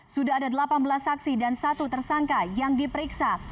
sudah ada delapan belas saksi dan satu tersangka yang diperiksa